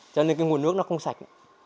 cho nên cái nguồn nước nó không sạch